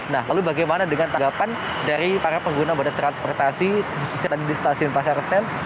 nah lalu bagaimana dengan tanggapan dari para pengguna moda transportasi khususnya tadi di stasiun pasar sen